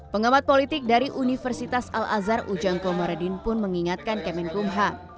pengamat politik dari universitas al azhar ujangko meredin pun mengingatkan kemenkum ham